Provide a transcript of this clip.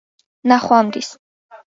ნახვამდის